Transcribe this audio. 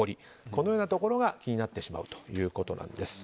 このようなところが気になってしまうということです。